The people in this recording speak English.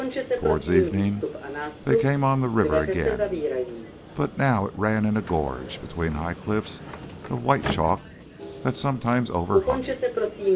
Towards evening they came on the river again, but now it ran in a gorge, between high cliffs of white chalk that sometimes overhung it.